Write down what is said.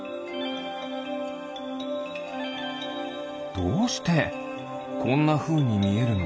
どうしてこんなふうにみえるの？